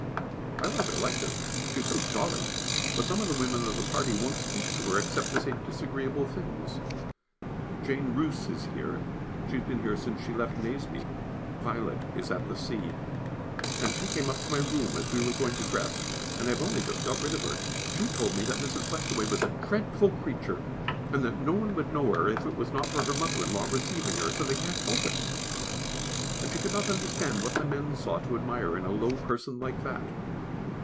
I rather like her, she is so jolly but some of the women of the party won't speak to her, except to say disagreeable things. Jane Roose is here, she has been here since she left Nazeby (Violet is at the sea), and she came up to my room as we were going to dress, and I have only just got rid of her. She told me Mrs. Westaway was a "dreadful creature," and that no one would know her, if it was not for her mother in law receiving her, so they can't help it. And she could not understand what the men saw to admire in a low person like that.